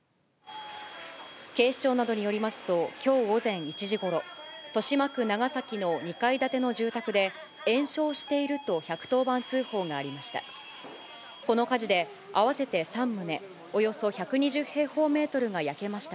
警視庁などによりますと、きょう午前１時ごろ、豊島区長崎の２階建住宅で、延焼していると１１０番通報がありました。